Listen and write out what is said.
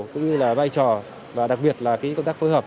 cũng như là vai trò và đặc biệt là công tác phối hợp